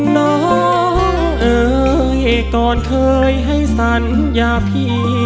น้องเอ๋ยก่อนเคยให้สัญญาพี่